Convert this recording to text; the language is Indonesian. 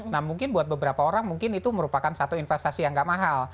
nah mungkin buat beberapa orang mungkin itu merupakan satu investasi yang gak mahal